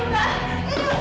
lu lepasin aku bro